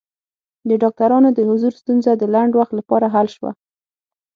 د ډاکټرانو د حضور ستونزه د لنډ وخت لپاره حل شوه.